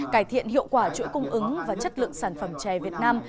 cải thiện hiệu quả chuỗi cung ứng và chất lượng sản phẩm trè việt nam